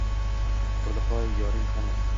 Hurliqo yoring qani?